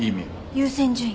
優先順位。